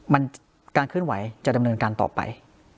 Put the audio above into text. มันการเคลื่อนไหวจะดำเนินการต่อไป